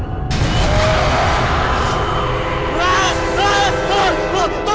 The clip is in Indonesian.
aduh serem banget nih